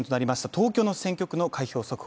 東京の選挙区の開票速報